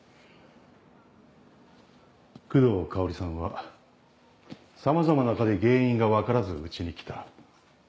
工藤香織さんはさまざまな科で原因が分からずうちに来た。